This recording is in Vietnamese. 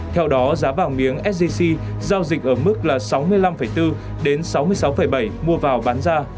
theo đó giá vàng miếng sgc giao dịch ở mức là sáu mươi năm bốn đến sáu mươi sáu bảy mua vào bán ra